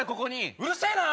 うるせぇな！